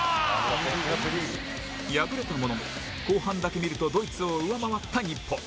敗れたものの、後半だけ見るとドイツを上回った日本。